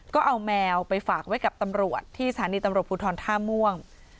ก็เอาแมวไปฝากไว้กับตำรวจที่สถานีตำรวจภูทรท่าม่วง